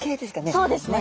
そうですね。